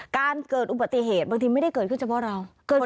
การเกิดอุบัติเหตุบางทีไม่ได้เกิดขึ้นเฉพาะเรา